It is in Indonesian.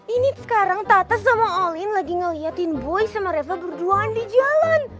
ini sekarang tata sama olin lagi ngeliatin boy sama revo berduaan di jalan